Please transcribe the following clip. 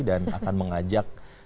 dan akan mengajak